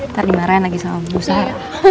ntar dimarahin lagi sama musa ya